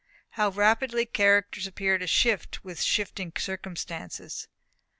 How rapidly characters appear to shift with shifting circumstances!